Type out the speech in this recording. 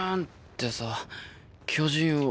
てさ巨人を。